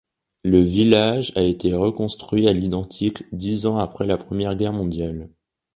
Le village a été reconstruit à l'identique dix ans après la Première Guerre mondiale.